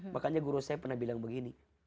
makanya guru saya pernah bilang begini